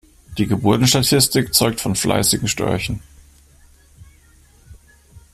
Die Geburtenstatistik zeugt von fleißigen Störchen.